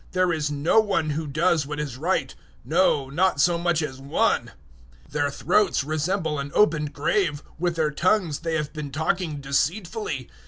There is no one who does what is right no, not so much as one." 003:013 "Their throats resemble an opened grave; with their tongues they have been talking deceitfully."